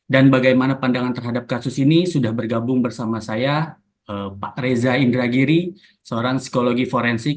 dan bagaimana pandangan terhadap kasus ini sudah bergabung bersama saya pak reza indragiri seorang psikologi forensik